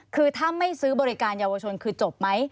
คือถ้าไม่ซื้อบริการเยาวชนคือจบไหม